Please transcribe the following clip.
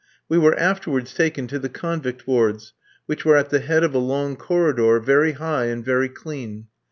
We were afterwards taken to the convict wards, which were at the head of a long corridor, very high, and very clean.